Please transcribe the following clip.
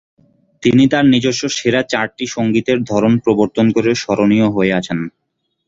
তিনি তার নিজস্ব সেরা চারটি সঙ্গীতের ধরন প্রবর্তন করে স্মরণীয় হয়ে আছেন।